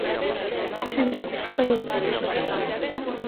Ese discurso callou ben na sociedade.